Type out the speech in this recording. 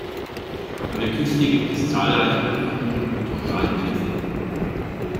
An der Küste gibt es zahlreiche Buchten und Korallenriffe.